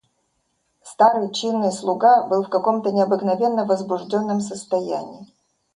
Старый чинный слуга был в каком-то необыкновенно возбужденном состоянии.